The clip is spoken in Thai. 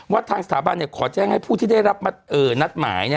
ทางสถาบันขอแจ้งให้ผู้ที่ได้รับนัดหมาย